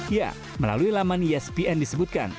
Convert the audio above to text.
ya melalui laman ispn disebutkan